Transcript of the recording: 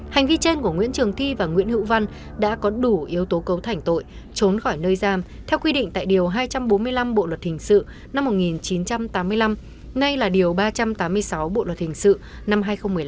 hành vi trên của nguyễn trường thi và nguyễn hữu văn đã có đủ yếu tố cấu thành tội trốn khỏi nơi giam theo quy định tại điều hai trăm bốn mươi năm bộ luật hình sự năm một nghìn chín trăm tám mươi năm nay là điều ba trăm tám mươi sáu bộ luật hình sự năm hai nghìn một mươi năm